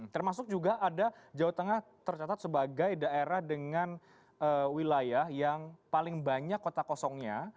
termasuk juga ada jawa tengah tercatat sebagai daerah dengan wilayah yang paling banyak kota kosongnya